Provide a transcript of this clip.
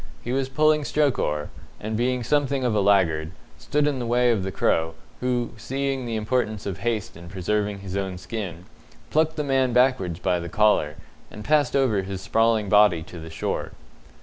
He was pulling stroke oar, and, being something of a laggard, stood in the way of the Crow, who, seeing the importance of haste in preserving his own skin, plucked the man backwards by the collar, and passed over his sprawling body to the shore.